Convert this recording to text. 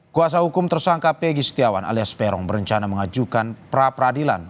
kuasa hukum tersangka pegi setiawan alias peron berencana mengajukan pra peradilan